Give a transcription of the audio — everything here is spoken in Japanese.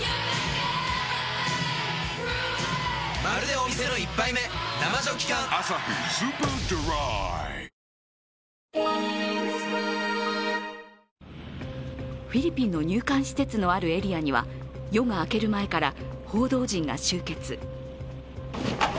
糖質ゼロフィリピンの入管施設のあるエリアには夜が明ける前から報道陣が集結。